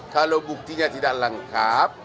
kalau buktinya tidak lengkap